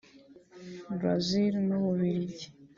Brazil n’Ububiligi